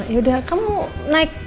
yaudah kamu naik